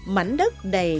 mảnh đất đầy